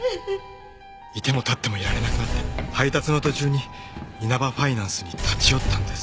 いてもたってもいられなくなって配達の途中にイナバファイナンスに立ち寄ったんです。